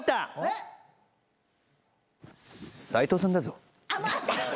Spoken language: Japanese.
「斎藤さんだぞ」